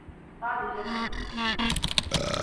Sadece bu.